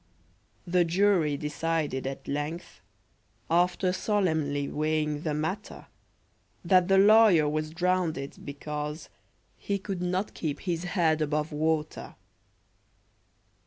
The jury decided at length, After solemnly weighing the matter, That the lawyer was drownded, because He could not keep his head above water!